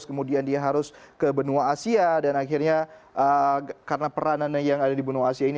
kemudian dia harus ke benua asia dan akhirnya karena peranannya yang ada di benua asia ini